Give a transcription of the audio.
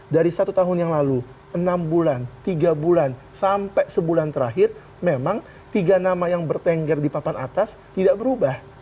dari satu tahun yang lalu enam bulan tiga bulan sampai sebulan terakhir memang tiga nama yang bertengger di papan atas tidak berubah